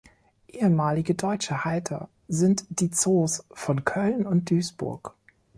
Ehemalige deutsche Halter sind die Zoos von Köln und Duisburg.